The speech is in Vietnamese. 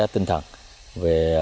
tinh thần về